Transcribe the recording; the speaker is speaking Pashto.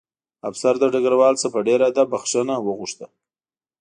افسر له ډګروال څخه په ډېر ادب بښنه وغوښته